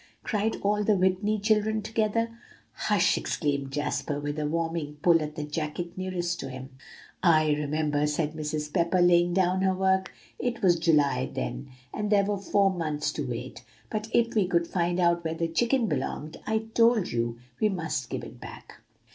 cried all the Whitney children together. "Hush!" exclaimed Jasper, with a warning pull at the jacket nearest to him. "I remember," said Mrs. Pepper, laying down her work. "It was July then, and there were four months to wait; but if we could find out where the chicken belonged, I told you, we must give it back."